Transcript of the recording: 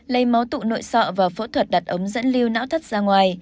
lấy máu tụ nội sọ và phẫu thuật đặt ống dẫn lưu não thất ra ngoài